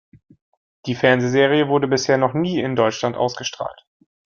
Die Fernsehserie wurde bisher noch nie in Deutschland ausgestrahlt.